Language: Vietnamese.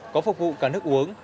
có phục vụ cả nước uống